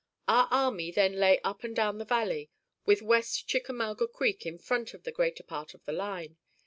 Our army then lay up and down the valley, with West Chickamauga Creek in front of the greater part of the line.